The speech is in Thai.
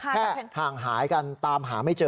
ห่างหายกันตามหาไม่เจอ